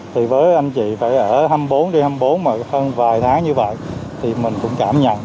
thì với anh chị phải ở hai mươi bốn hai mươi bốn mà hơn vài tháng như vậy thì mình cũng cảm nhận